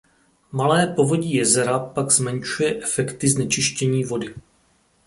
Malé povodí jezera pak zmenšuje efekty znečištění vody.